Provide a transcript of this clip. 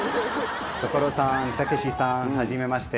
所さんたけしさんはじめまして。